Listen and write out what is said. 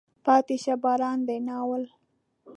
پاتې شه باران دی. ناول